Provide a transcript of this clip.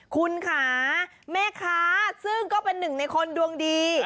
คุณค่ะแม่ค้าซึ่งก็เป็นหนึ่งในคนดวงดี